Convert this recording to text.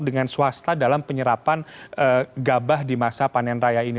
dengan swasta dalam penyerapan gabah di masa panen raya ini